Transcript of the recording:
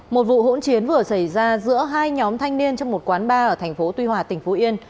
một vụ hỗn chiến vừa xảy ra giữa hai nhóm thanh niên trong một quán bar ở tp tuy hòa tp yên